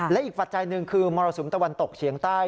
และอีกปัจจัยหนึ่งคือมรสุมตะวันตกเฉียงใต้